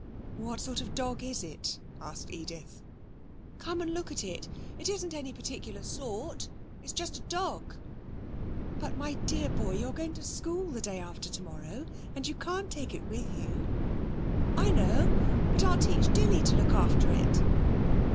'What sort of dog is it?' asked Edith. 'Come and look at it. It isn't any particular sort. It's just a dog.' 'But, my dear boy, you're going to school the day after tomorrow, and you can't take it with you.' 'I know; but I'll teach Dilly to look after it.'